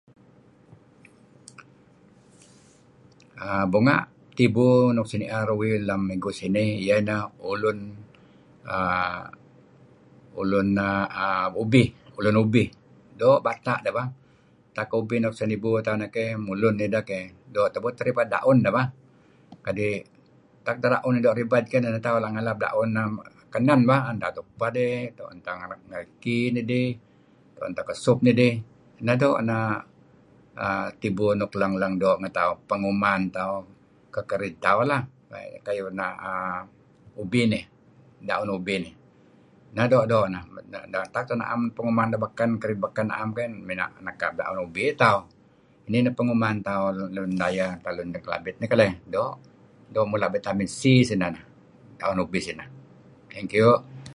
Bunga' tibu nuk sinier uh lem igu sinih may iyeh neh ulun uhm ulun neh, ulun ubih. Doo' bata' dih bah. Tak ubih nuk sinibu tauh neh keyh mulun nidah keyh doo' tebuut teh ribed daun deh bah. Kadi' tak daun deh doo' ribed neh tauh ngalap-ngalap daun neh kenen bah. Tuen tupeh dih tuen tauh ngelened ngeriki nidih, tuen tauh kuh soup nidih. Neh doo' tibu nuk leng-leng doo' ngen tauh penguman keh kerid tauh lah. Kayu ena' uhm ubih inih. Daun ubih nih. Neh nuk doo'-doo' neh. Tak naem nuk penguman tauh baken, naem kerid baken may nekap daun ubih ayu teh tauh. Nih penuman tauh Lun Dayeh, Lun Kelabit. Nih kaleyh, doo' mula Vitamin C sineh, daun ubih sineh. (Thank you).